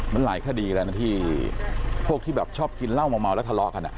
มันหลายคดีแล้วนะที่พวกที่แบบชอบกินเหล้าเมาแล้วทะเลาะกัน